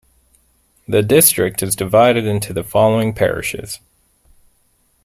The district is divided into the following parishes.